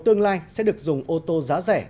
tương lai sẽ được dùng ô tô giá rẻ